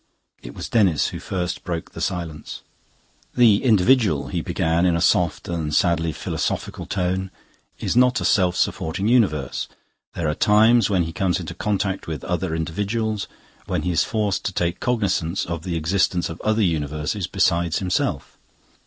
It was Denis who first broke the silence. "The individual," he began in a soft and sadly philosophical tone, "is not a self supporting universe. There are times when he comes into contact with other individuals, when he is forced to take cognisance of the existence of other universes besides himself."